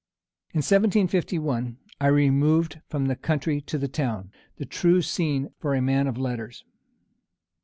In 1751, I removed from the country to the town, the true scene for a man of letters.